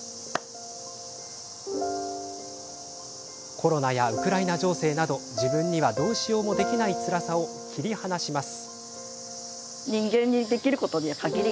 コロナやウクライナ情勢など自分には、どうしようもできないつらさを切り離します。